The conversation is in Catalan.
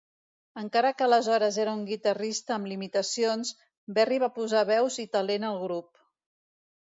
Encara que aleshores era un guitarrista amb limitacions, Berry va posar veus i talent al grup.